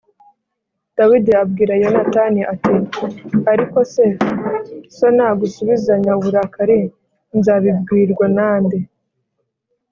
Dawidi abwira Yonatani ati “Ariko se, so nagusubizanya uburakari nzabibwirwa na de?”